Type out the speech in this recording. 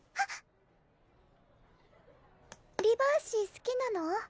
リバーシ好きなの？